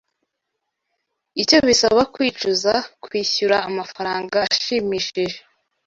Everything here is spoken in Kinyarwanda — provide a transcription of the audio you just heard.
Icyo bisaba kwicuza kwishyura amafaranga ashimishije